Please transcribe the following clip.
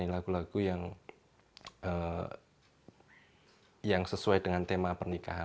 lagu lagu yang sesuai dengan tema pernikahan